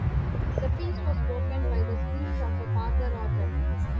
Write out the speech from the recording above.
The peace was broken by the screams of a parlor organ.